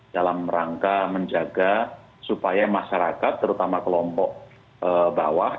dalam rangka menjaga supaya masyarakat terutama kelompok bawah